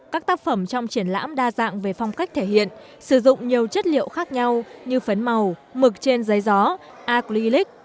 các tác phẩm trong triển lãm đa dạng về phong cách thể hiện sử dụng nhiều chất liệu khác nhau như phấn màu mực trên giấy gió acleilic